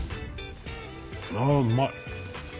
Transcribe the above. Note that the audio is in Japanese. ああうまい。